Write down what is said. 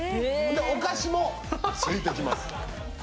でお菓子も付いてきます。